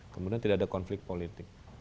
kemudian tidak ada konflik politik